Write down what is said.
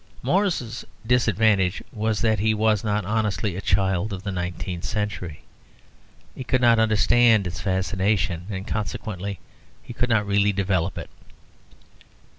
Morris's disadvantage was that he was not honestly a child of the nineteenth century: he could not understand its fascination, and consequently he could not really develop it.